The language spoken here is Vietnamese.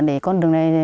để con đường này